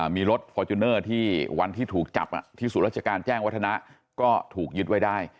มีรถฟอร์จูเนอร์ที่วันที่ถูกจับที่ศูนย์ราชการแจ้งวัฒนะก็ถูกยึดไว้ได้